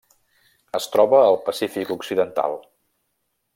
Es troba al Pacífic occidental: